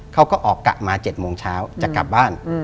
เขาก็ออกกะมา๗โมงเช้าจะกลับบ้าน